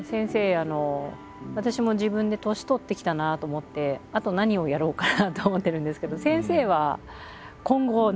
あの私も自分で年取ってきたなと思ってあと何をやろうかなと思ってるんですけど先生は今後何をやりたいと。